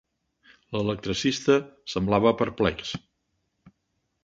L'electricista semblava perplex.